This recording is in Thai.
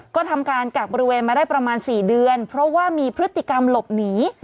ก็ทำการกักบริเวณมาได้ประมาณ๔เดือนเพราะว่ามีพฤติกรรมหลบหนี